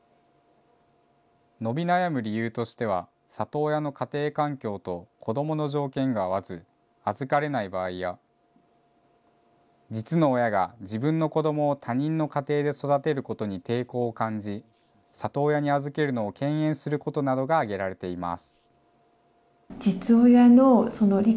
伸び悩む理由としては、里親の家庭環境と子どもの条件が合わず預かれない場合や、実の親が自分の子どもを他人の家庭で育てることに抵抗を感じ、里親に預けるのを敬遠することなどが挙げられています。